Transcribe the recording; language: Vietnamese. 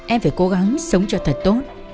em phải cố gắng sống cho thật tốt